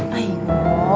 mau nyusul apaan